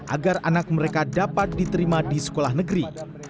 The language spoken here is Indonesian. agar anak mereka dapat diterima di sekolah negeri